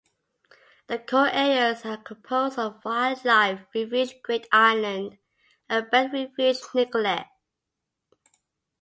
The core areas are composed of Wildlife Refuge Great Island and bird refuge Nicolet.